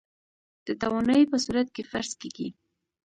د توانايي په صورت کې فرض کېږي.